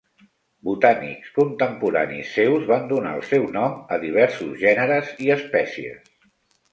Botànics contemporanis seus van donar el seu nom a diversos gèneres i espècies.